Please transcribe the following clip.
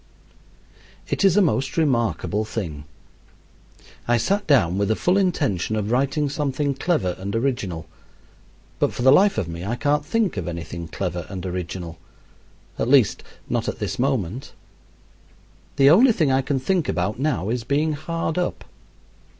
It is a most remarkable thing. I sat down with the full intention of writing something clever and original; but for the life of me I can't think of anything clever and original at least, not at this moment. The only thing I can think about now is being hard up.